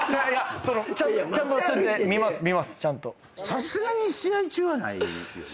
さすがに試合中はないよね？